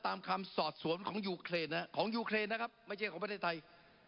คำสอบสวนของยูเครนนะครับของยูเครนนะครับไม่ใช่ของประเทศไทย